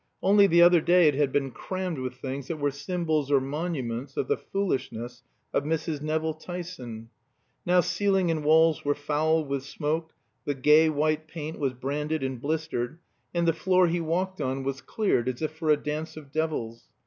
Only the other day it had been crammed with things that were symbols or monuments of the foolishness of Mrs. Nevill Tyson. Now ceiling and walls were foul with smoke, the gay white paint was branded and blistered, and the floor he walked on was cleared as if for a dance of devils.